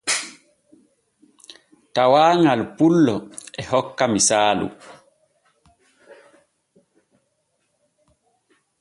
Tawaaŋal pullo e hokka misaalu.